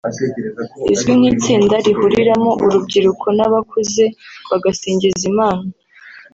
izwi nk’itsinda rihuriramo urubyiruko n’abakuze bagasingiza Imana